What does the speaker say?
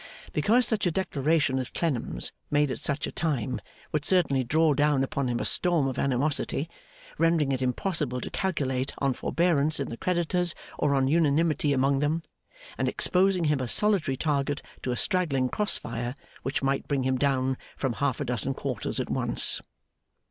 Because such a declaration as Clennam's, made at such a time, would certainly draw down upon him a storm of animosity, rendering it impossible to calculate on forbearance in the creditors, or on unanimity among them; and exposing him a solitary target to a straggling cross fire, which might bring him down from half a dozen quarters at once.